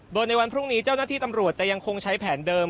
โดยในวันพรุ่งนี้เจ้าหน้าที่ตำรวจจะยังคงใช้แผนเดิม